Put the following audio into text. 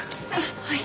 はい。